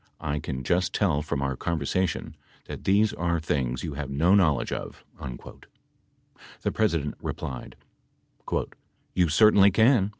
I can just tell from our conversation that these are things you have no knowledge of." The President replied: "You certainly can